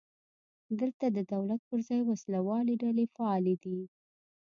دلته د دولت پر ځای وسله والې ډلې فعالې دي.